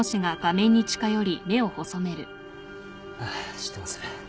知ってます。